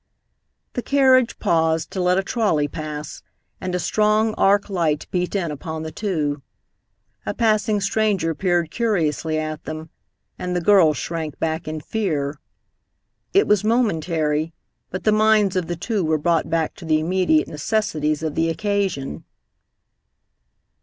The carriage paused to let a trolley pass, and a strong arc light beat in upon the two. A passing stranger peered curiously at them, and the girl shrank back in fear. It was momentary, but the minds of the two were brought back to the immediate necessities of the occasion.